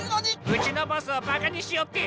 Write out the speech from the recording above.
うちのボスをバカにしおって！